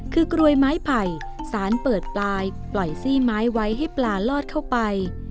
คือกรวยไม้ไผ่สารเปิดปลายปล่อยซี่ไม้ไว้ให้ปลาลอดเข้าไป